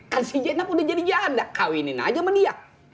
kan si jena pun udah jadi jahat dra kawinin aja sama dia